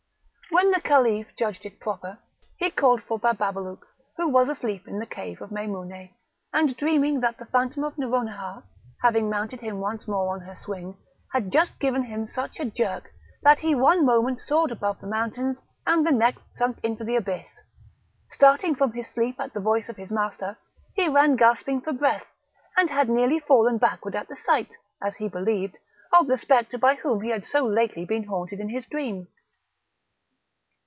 When the Caliph judged it proper, he called for Bababalouk, who was asleep in the cave of Meimoune, and dreaming that the phantom of Nouronihar, having mounted him once more on her swing, had just given him such a jerk, that he one moment soared above the mountains, and the next sunk into the abyss; starting from his sleep at the voice of his master, he ran gasping for breath, and had nearly fallen backward at the sight, as he believed, of the spectre by whom he had so lately been haunted in his dream.